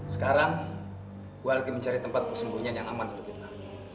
sekarang gua lagi mencari tempat persembunyian yang aman untuk kita